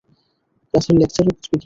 ক্লাসের লেকচার ও বুঝবে কীভাবে?